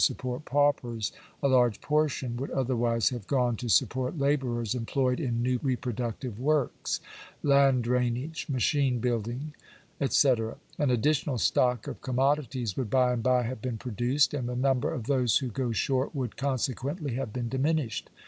support paupers, a large portion would otherwise have gone to support labourers employed in new reproductive works — land drainage, machine building, &e. An additional stock of com modities would by and by have been produced, and the number of those who go short would consequently have been diminished.